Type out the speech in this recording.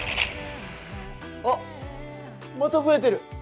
あっまた増えてる！